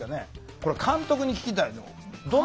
これは監督に聞きたいと思う。